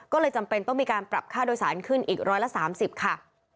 ก็เลยจำเป็นต้องมีการปรับค่าโดยสารขึ้นอีกร้อยละ๓๐ค่ะ